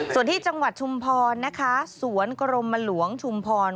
ส่วนที่จังหวัดชุมพรนะคะสวนกรมหลวงชุมพร